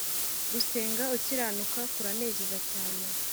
gusenga ukiranuka kuranezeza cyane